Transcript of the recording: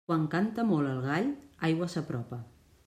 Quan canta molt el gall, aigua s'apropa.